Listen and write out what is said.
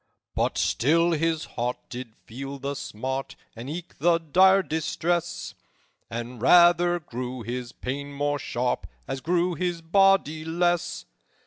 "But still his heart did feel the smart, And eke the dire distress, And rather grew his pain more sharp As grew his body less.